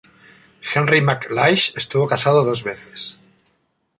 Henry McLeish estuvo casado dos veces.